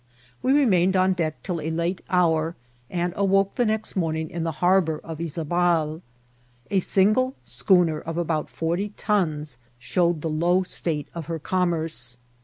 We remained on deck till a late hour, and awoke the next morning in the harbour of Yzabal. A single schooner of about forty tons showed the low state of her commerce.